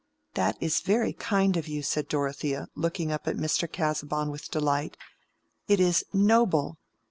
"That is very kind of you," said Dorothea, looking up at Mr. Casaubon with delight. "It is noble.